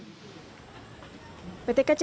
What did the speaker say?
pt kci juga mencari penumpang yang lebih berharga